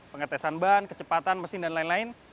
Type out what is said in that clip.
pengetesan ban kecepatan mesin dan lain lain